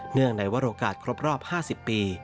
เนื่องในวันโอกาสครบรอบ๕๐ปี